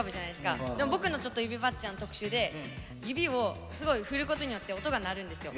でも僕のちょっと指パッチンは特殊で指をすごい振ることによって音が鳴るんですよ。